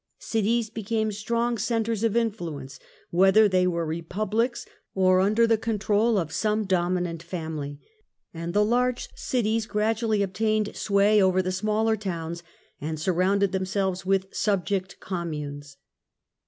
Cities became strong centres of influence whether they were republics or under the control of some dominant family ; and the large cities gradually obtained sway over the smaller towns and surrounded themselves with subject communes.